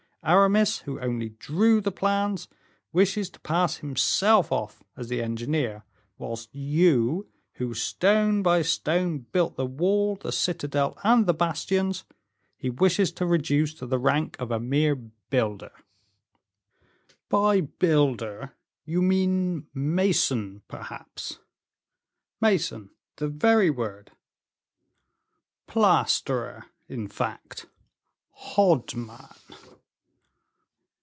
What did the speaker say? Aramis, who only drew the plans, wishes to pass himself off as the engineer, whilst you, who, stone by stone, built the wall, the citadel, and the bastions, he wishes to reduce to the rank of a mere builder." "By builder, you mean mason, perhaps?" "Mason; the very word." "Plasterer, in fact?" "Hodman?"